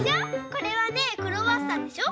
これはねクロワッサンでしょ。